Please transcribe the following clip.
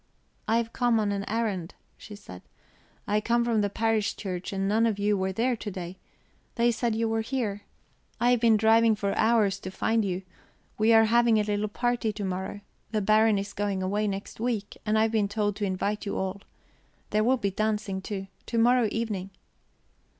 "I have come on an errand," she said. "I come from the parish church, and none of you were there to day; they said you were here. I have been driving for hours to find you. We are having a little party to morrow the Baron is going away next week and I have been told to invite you all. There will be dancing too. To morrow evening."